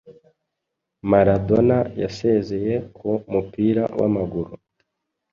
Maradona yasezeye ku mupira w’amaguru